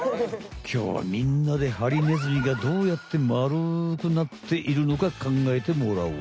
きょうはみんなでハリネズミがどうやって丸くなっているのかかんがえてもらおう。